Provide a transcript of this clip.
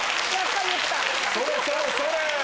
それそれそれ！